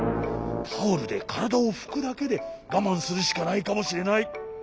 タオルでからだをふくだけでがまんするしかないかもしれない。